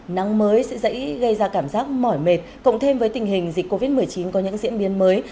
nắng mới sẽ dễ gây ra cảm giác mỏi mệt cộng thêm với tình hình dịch covid một mươi chín có những diễn biến mới